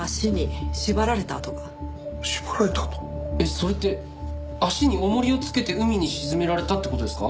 それって足に重りをつけて海に沈められたって事ですか？